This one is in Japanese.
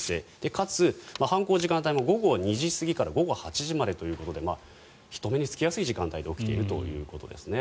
かつ、犯行時間帯も午後２時過ぎから午後８時までということで人目につきやすい時間帯で起きているということですね。